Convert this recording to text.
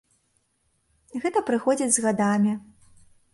Гэта прыходзіць з гадамі.